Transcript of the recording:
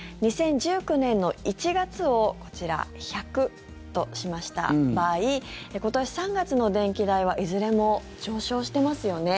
２０１９年の１月をこちら、１００としました場合今年３月の電気代はいずれも上昇してますよね。